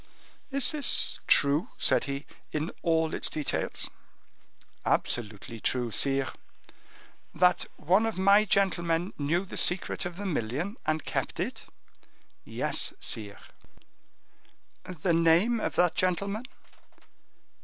"Is this true," said he, "in all its details?" "Absolutely true, sire." "That one of my gentlemen knew the secret of the million, and kept it?" "Yes, sire." "The name of that gentleman?"